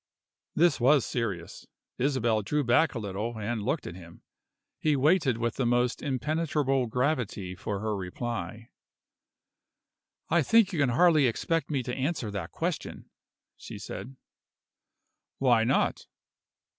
This was serious. Isabel drew back a little, and looked at him. He waited with the most impenetrable gravity for her reply. "I think you can hardly expect me to answer that question," she said "Why not?"